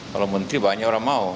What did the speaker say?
kalau menteri banyak orang mau